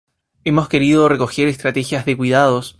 hemos querido recoger estrategias de cuidados